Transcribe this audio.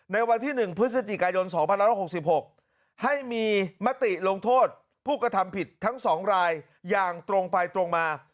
ในวันที่๑พฤศจิกายน๒๑๖๖ให้มีมติลงโทษผู้กระทำผิดทั้ง๒รายอย่างตรงไปตรงมา